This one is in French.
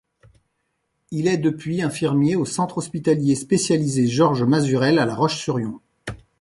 Il est depuis infirmier au Centre Hospitalier Spécialisé Georges Mazurelle à La Roche-sur-Yon.